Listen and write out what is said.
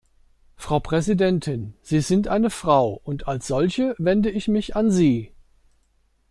Frau Präsidentin, Sie sind eine Frau und als solche wende ich mich an Sie.